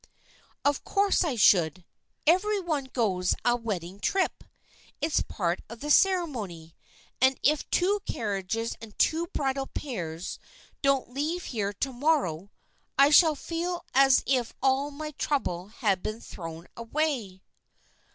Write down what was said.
"Of course I should. Every one goes a wedding trip, it's part of the ceremony; and if two carriages and two bridal pairs don't leave here to morrow, I shall feel as if all my trouble had been thrown away."